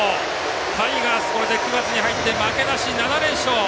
タイガース、これで９月に入って負けなし７連勝！